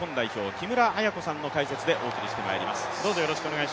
木村文子さんの解説でお送りしてまいります。